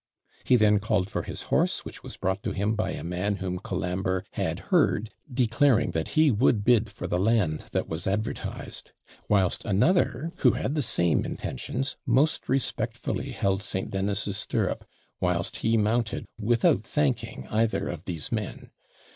He then called for his horse, which was brought to him by a man whom Colambre had heard declaring that he would bid for the land that was advertised; whilst another, who had the same intentions, most respectfully held St. Dennis's stirrup, whilst he mounted without thanking either of these men.